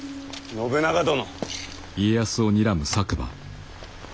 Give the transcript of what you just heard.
信長殿。